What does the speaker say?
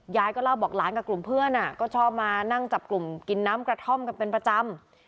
ยายก็เล่าบอกหลานกับกลุ่มเพื่อนก็ชอบมานั่งจับกลุ่มกินน้ำกระท่อมกันเป็นประจำ